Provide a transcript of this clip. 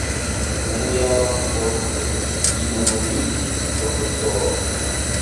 Unu jaron poste li nomumitis profesoro.